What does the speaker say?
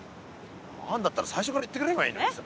あるんだったら最初から言ってくれればいいのにさ。